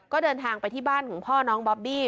ก็เดินทางไปที่บ้านของพ่อน้องบอบบี้